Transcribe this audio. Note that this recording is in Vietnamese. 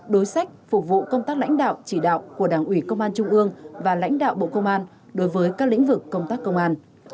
đối sách phục vụ công tác lãnh đạo chỉ đạo của đảng ủy công an trung ương và lãnh đạo bộ công an đối với các lĩnh vực công tác công an